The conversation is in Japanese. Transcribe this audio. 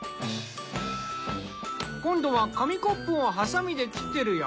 今度は紙コップをハサミで切ってるよ。